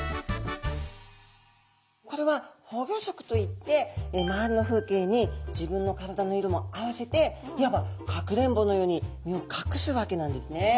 これは保護色といって周りの風景に自分の体の色も合わせていわばかくれんぼのように身を隠すわけなんですね。